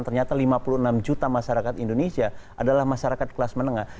ternyata lima puluh enam juta masyarakat indonesia adalah masyarakat kelas menengah